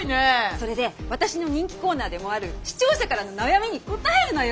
それで私の人気コーナーでもある視聴者からの悩みに答えるのよ。